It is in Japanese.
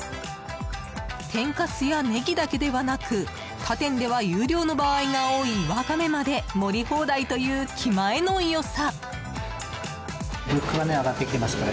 天かすやネギだけではなく他店では有料の場合が多いワカメまで盛り放題という気前の良さ。